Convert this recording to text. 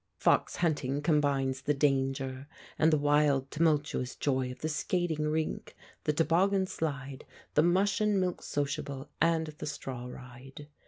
Fox hunting combines the danger and the wild, tumultuous joy of the skating rink, the toboggan slide, the mush and milk sociable and the straw ride.